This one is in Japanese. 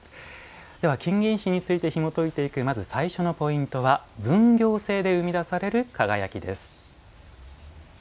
では、金銀糸についてひもといていくまず最初のポイントは「分業制で生み出される輝き」。